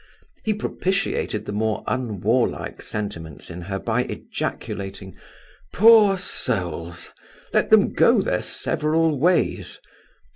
He propitiated the more unwarlike sentiments in her by ejaculating, "Poor souls! let them go their several ways.